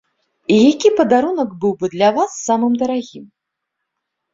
Які падарунак быў бы для вас самым дарагім?